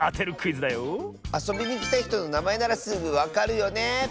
あそびにきたひとのなまえならすぐわかるよね。